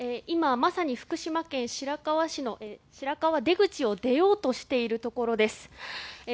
今まさに福島県白河出口を出ようとしているところです。